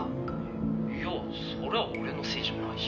「いやそれは俺のせいじゃないし」